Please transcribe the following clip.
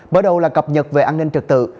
bởi đầu là cập nhật về an ninh trật tự